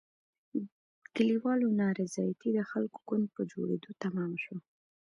کلیوالو نارضایتي د خلکو ګوند په جوړېدو تمامه شوه.